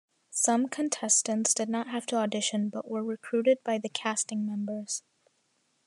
Some contestants did not have to audition but were recruited by the casting members.